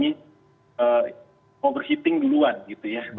kita harus mengalami overheating duluan gitu ya